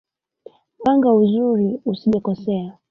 Panga uzuri usijekosea.